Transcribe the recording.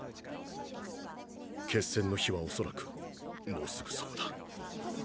決戦の日は恐らくもうすぐそこだ。